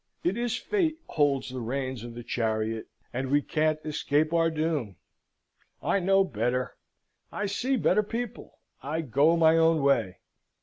It is Fate holds the reins of the chariot, and we can't escape our doom. I know better: I see better people: I go my own way.